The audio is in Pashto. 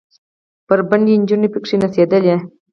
بربنډې نجونې پکښې نڅېدلې.